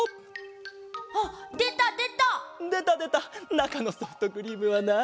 なかのソフトクリームはな